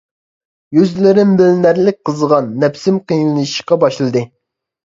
يۈزلىرىم بىلىنەرلىك قىزىغان، نەپسىم قىيىنلىشىشقا باشلىدى.